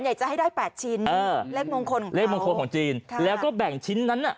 อยากจะให้ได้แปดชิ้นเออเลขมงคลของเลขมงคลของจีนค่ะแล้วก็แบ่งชิ้นนั้นอ่ะ